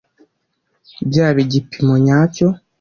byaba igipimo nyacyo